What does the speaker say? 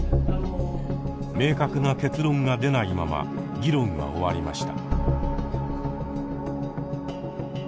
明確な結論が出ないまま議論は終わりました。